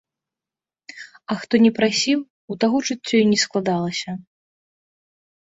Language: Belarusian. А хто не прасіў, у таго жыццё і не складалася.